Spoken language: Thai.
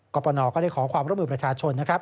ปปนก็ได้ขอความร่วมมือประชาชนนะครับ